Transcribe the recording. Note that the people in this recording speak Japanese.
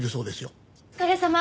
お疲れさま。